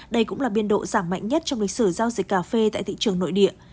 đây cũng là biên độ giảm mạnh nhất trong lịch sử giao dịch cà phê tại thị trường nội địa